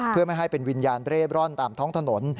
เพื่อไม่ให้เป็นวิญญาณเร่บร่อนตามท้องถนน